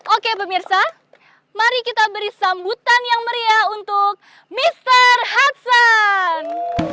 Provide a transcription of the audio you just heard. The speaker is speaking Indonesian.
oke pemirsa mari kita beri sambutan yang meriah untuk mr hatsan